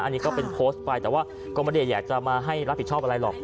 อันนี้ก็เป็นโพสต์ไปแต่ว่าก็ไม่ได้อยากจะมาให้รับผิดชอบอะไรหรอก